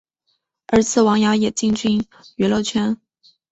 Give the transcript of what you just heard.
儿子王骁也进军娱乐圈。